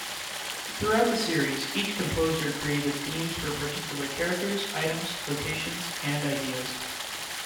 Throughout the series, each composer created themes for particular characters, items, locations, and ideas.